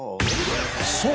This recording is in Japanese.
そう！